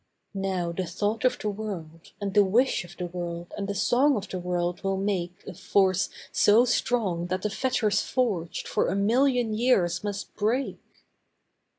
Now the thought of the world and the wish of the world and the song of the world will make A force so strong that the fetters forged for a million years must break.